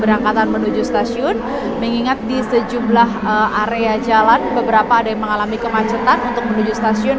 berangkatan menuju stasiun mengingat di sejumlah area jalan beberapa ada yang mengalami kemacetan untuk menuju stasiun